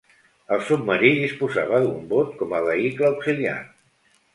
El submarí disposava d'un bot, com a vehicle auxiliar.